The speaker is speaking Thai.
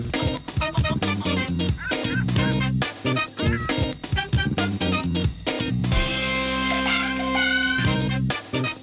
สวัสดีครับสวัสดีครับ